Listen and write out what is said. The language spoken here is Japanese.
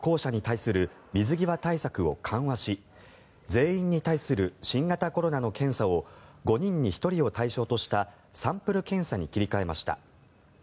日本政府は今日中国からの渡航者に対する水際対策を緩和し全員に対する新型コロナの検査を５人に１人を対象としたサンプル検査に切り替えました。